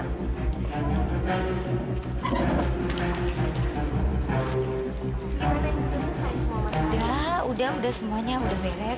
sudah udah semuanya udah beres